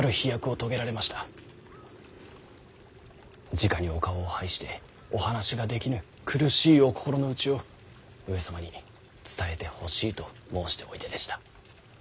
じかにお顔を拝してお話ができぬ苦しいお心の内を上様に伝えてほしいと申しておいででした。